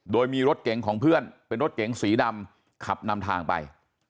โดยมีรถเก๋งของเพื่อนเป็นรถเก๋งสีดำขับนำทางไป